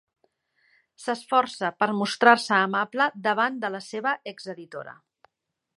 S'esforça per mostrar-se amable davant de la seva exeditora.